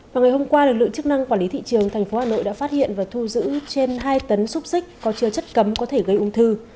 vào ngày hôm qua lực lượng chức năng quản lý thị trường tp hà nội đã phát hiện và thu giữ trên hai tấn xúc xích có chứa chất cấm có thể gây ung thư